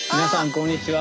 こんにちは。